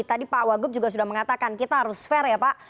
tadi pak wagub juga sudah mengatakan kita harus fair ya pak